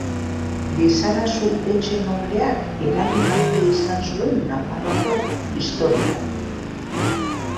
Lizarazu etxe nobleak eragin handia izan zuen Nafarroako historian.